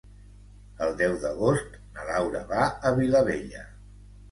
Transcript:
El deu d'agost na Laura va a Vilabella.